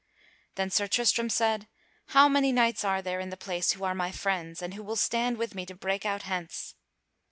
Then Sir Tristram said: "How many knights are there in the place who are my friends, and who will stand with me to break out hence?"